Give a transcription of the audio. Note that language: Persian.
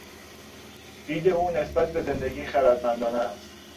دید او نسبت به زندگی خردمندانه است.